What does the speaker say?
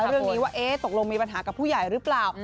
เรื่องนี้ว่าตกลงมีปัญหากับผู้ใหญ่หรือเปล่า